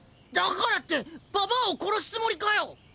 だからってババアを殺すつもりかよ！